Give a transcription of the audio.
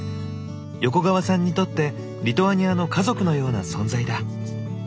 横川さんにとってリトアニアの家族のような存在だ。